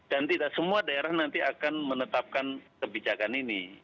dan tidak semua daerah nanti akan menetapkan kebijakan ini